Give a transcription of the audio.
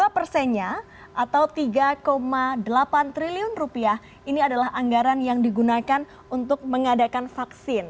dua persennya atau rp tiga delapan triliun ini adalah anggaran yang digunakan untuk mengadakan vaksin